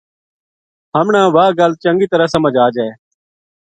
ہم نا واہ گل چنگی طرح سمجھ آ جا